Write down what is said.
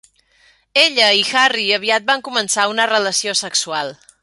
Ella i Harry aviat van començar una relació sexual.